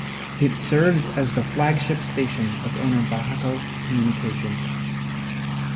It serves as the flagship station of owner Bahakel Communications.